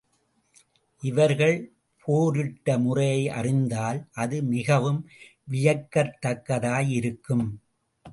இவர்கள் போரிட்ட முறையை அறிந்தால், அது மிகவும் வியக்கத்தக்கதாய் இருக்கும்.